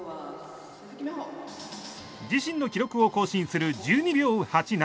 自身の記録を更新する１２秒８７！